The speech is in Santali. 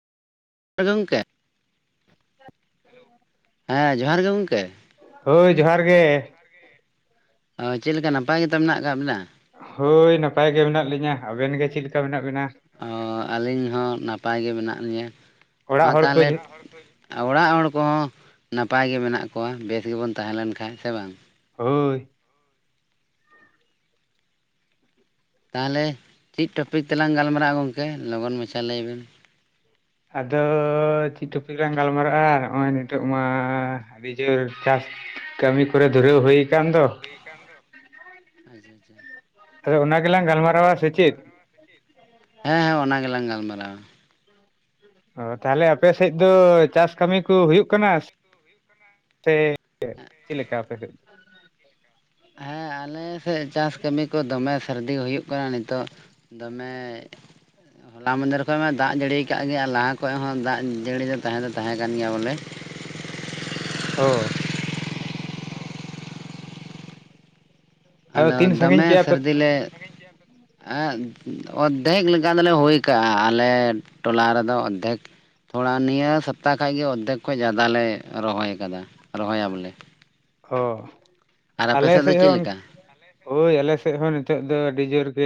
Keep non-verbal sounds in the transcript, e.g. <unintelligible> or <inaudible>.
ᱜᱚᱝᱠᱮ <inaudible> ᱦᱮᱸ ᱡᱚᱦᱟᱨ ᱜᱮ ᱜᱚᱝᱠᱮ᱾ ᱦᱳᱭ ᱡᱚᱦᱟᱨ ᱜᱮ᱾ ᱚ ᱪᱮᱫ ᱞᱮᱠᱟ ᱱᱟᱯᱟᱭ ᱜᱮᱛ ᱢᱮᱱᱟᱜ ᱟᱠᱟᱫ ᱵᱮᱱᱟ? ᱦᱳᱭ ᱱᱟᱯᱟᱭ ᱜᱮ ᱢᱮᱱᱟᱜ ᱞᱤᱧᱟᱹ, ᱟᱵᱮᱱ ᱜᱮ ᱪᱮᱫ ᱞᱮᱠᱟ ᱢᱮᱱᱟᱜ ᱵᱮᱱᱟ? ᱚ ᱟᱹᱞᱤᱧ ᱦᱚᱸ ᱱᱟᱯᱟᱭ ᱜᱮ ᱢᱮᱱᱟᱜ ᱞᱤᱧᱟᱹ, ᱢᱟ ᱚᱲᱟᱜ ᱦᱚᱲ ᱠᱚ ᱛᱟᱦᱚᱸᱞᱮ᱾ ᱚᱲᱟᱜ ᱦᱚᱲ ᱠᱚᱦᱚᱸ ᱱᱟᱯᱟᱭ ᱜᱮ ᱢᱮᱱᱟᱜ ᱠᱚᱣᱟ, ᱵᱮᱥ ᱜᱮᱵᱚᱱ ᱛᱟᱦᱮᱸ ᱞᱮᱱ ᱠᱷᱟᱱᱡ ᱥᱮ ᱵᱟᱝ᱾ ᱦᱳᱭ᱾ ᱛᱟᱦᱚᱸᱞᱮ ᱪᱮᱫ ᱴᱚᱯᱤᱠ ᱛᱮᱞᱟᱝ ᱜᱟᱞᱢᱟᱨᱟᱜ-ᱟ ᱜᱚᱝᱠᱮ, ᱞᱚᱜᱚᱱ ᱢᱟᱪᱷᱟ ᱞᱟᱹᱭ ᱵᱮᱱ᱾ ᱟᱫᱚ ᱪᱮᱫ ᱴᱚᱯᱤᱠ ᱞᱟᱝ ᱜᱟᱞᱢᱟᱨᱟᱜ-ᱟ ᱱᱚ-ᱚᱭ ᱱᱤᱛᱳᱜ ᱢᱟᱻ ᱟᱹᱰᱤ ᱡᱳᱨ ᱪᱟᱥ ᱠᱟᱹᱢᱤ ᱠᱚᱨᱮ ᱫᱷᱩᱨᱟᱹᱣ ᱦᱩᱭ ᱟᱠᱟᱱ ᱫᱚ᱾ <unintelligible> ᱟᱫᱚ ᱚᱱᱟ ᱜᱮᱞᱟᱝ ᱜᱟᱞᱢᱟᱨᱟᱣᱟ ᱥᱮ ᱪᱮᱫ? ᱦᱮᱸ ᱦᱮᱸ ᱚᱱᱟ ᱜᱮᱞᱟᱝ ᱜᱟᱞᱢᱟᱨᱟᱣᱟ᱾ ᱚ ᱛᱟᱦᱚᱞᱮ ᱟᱯᱮᱥᱮᱫ ᱫᱚᱻ ᱪᱟᱥ ᱠᱟᱹᱢᱤ ᱠᱚ ᱦᱩᱭᱩᱜ ᱠᱟᱱᱟ ᱥᱮᱻ ᱪᱮᱫ ᱪᱮᱫ ᱞᱮᱠᱟ ᱟᱯᱮ ᱥᱮᱫ ᱫᱚ? ᱦᱮᱸ ᱟᱞᱮᱻ ᱥᱮᱫ ᱪᱟᱥ ᱠᱟᱹᱢᱤ ᱠᱚ ᱫᱚᱢᱮ ᱥᱟᱹᱨᱫᱤ ᱦᱩᱭᱩ ᱠᱟᱱᱟ ᱱᱤᱛᱚᱜ ᱫᱚᱢᱮᱻ ᱦᱚᱞᱟ ᱢᱟᱫᱷᱮᱨ ᱠᱷᱚᱱ ᱢᱟ ᱫᱟᱜ ᱡᱟᱹᱲᱤᱭᱟ ᱟᱠᱟᱫ ᱜᱮᱭᱟ ᱟᱨ ᱞᱟᱦᱟ ᱠᱷᱚᱡ ᱦᱚᱸ ᱫᱟᱜ ᱡᱟᱹᱲᱤ ᱫᱚ ᱛᱟᱦᱮᱸ ᱫᱚ ᱛᱟᱦᱮᱸ ᱠᱟᱱ ᱜᱮᱭᱟ ᱵᱚᱞᱮᱻ ᱚᱻ᱾ ᱟᱫᱚ ᱛᱤᱱ ᱥᱟᱺᱜᱤᱧ ᱫᱚᱢᱮ ᱠᱮᱜᱼᱟ ᱯᱮ ᱥᱟᱹᱨᱫᱤᱞᱮ ᱞᱮ ᱟ ᱚᱫᱽᱫᱷᱮᱠ ᱞᱮᱠᱟ ᱫᱚᱞᱮ ᱦᱩᱭ ᱠᱟᱜ-ᱟ ᱟᱞᱮ ᱴᱚᱞᱟ ᱨᱮᱫᱚ ᱚᱫᱽᱫᱷᱮᱠ ᱛᱷᱚᱲᱟ ᱱᱤᱭᱟᱹ ᱥᱚᱯᱛᱟ ᱠᱷᱟᱡ ᱜᱮ ᱚᱨᱫᱷᱮᱠ ᱠᱷᱚᱡ ᱡᱟᱫᱟ ᱞᱮ ᱨᱚᱦᱚᱭ ᱟᱠᱟᱫᱟ ᱨᱚᱦᱚᱭᱟ ᱵᱚᱞᱮ᱾ ᱚ ᱟᱨ ᱟᱯᱮ ᱟᱞᱮ ᱫᱚ ᱥᱮᱫ ᱪᱮᱫ ᱦᱚᱸ᱾ ᱞᱮᱠᱟ ᱦᱳᱭ ᱟᱞᱮᱥᱮᱫ ᱦᱚᱸ ᱱᱤᱛᱚᱜ ᱫᱚ ᱟᱹᱰᱤ ᱡᱳᱨ ᱜᱮ